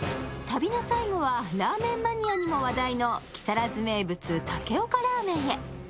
旅の最後はラーメンマニアにも話題の木更津名物、竹岡らーめんへ。